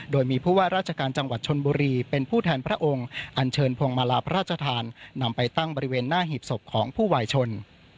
โดยมีผู้ว่าราชการจังหวัดชนบุรีเป็นผู้แทนพระองค์อันเชิญพวงมาลาพระราชทานนำไปตั้งบริเวณหน้าหีบศพของผู้วายชน